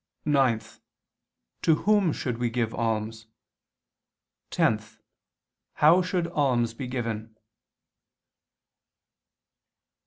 (9) To whom should we give alms? (10) How should alms be given?